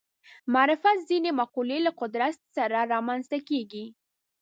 معرفت ځینې مقولې له قدرت سره رامنځته کېږي